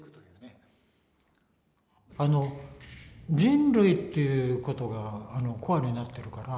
あの人類っていうことがコアになってるから。